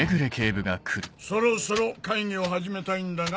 そろそろ会議を始めたいんだが。